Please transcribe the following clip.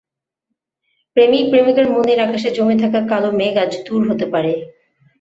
প্রেমিক প্রেমিকার মনের আকাশে জমে থাকা কালো মেঘ আজ দূর হতে পারে।